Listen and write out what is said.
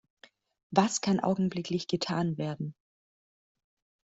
Was kann augenblicklich getan werden?